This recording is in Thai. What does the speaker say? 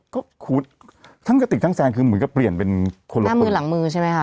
ก็ทั้งกระติกทั้งแซนคือเหมือนกับเปลี่ยนเป็นคนหน้ามือหลังมือใช่ไหมคะ